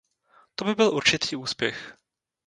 To by byl určitý úspěch.